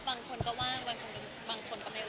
บางคนก็ไม่ว่าง